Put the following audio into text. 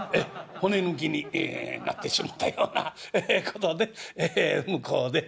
骨抜きになってしもうたようなことで向こうで」。